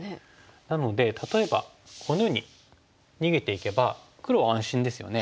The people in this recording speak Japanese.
なので例えばこのように逃げていけば黒は安心ですよね。